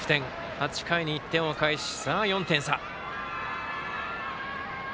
８回に１点を返し、４点差。